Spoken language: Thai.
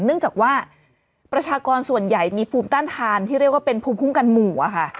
เนื่องจากว่าประชากรส่วนใหญ่มีภูมิต้านทานที่เรียกว่าเป็นภูมิคุ้มกันหมู่อะค่ะ